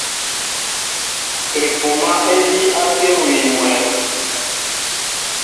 Epúmā é líí á téwili mwǎ.